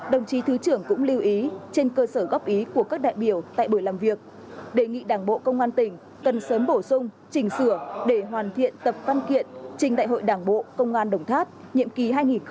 đồng chí thứ trưởng cũng lưu ý trên cơ sở góp ý của các đại biểu tại buổi làm việc đề nghị đảng bộ công an tỉnh cần sớm bổ sung chỉnh sửa để hoàn thiện tập văn kiện trình đại hội đảng bộ công an đồng tháp nhiệm kỳ hai nghìn hai mươi hai nghìn hai mươi năm